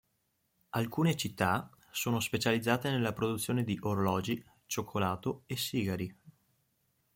Alcune città sono specializzate nella produzione di orologi, cioccolato e sigari.